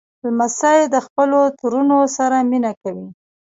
لمسی له خپلو ترونو سره مینه کوي.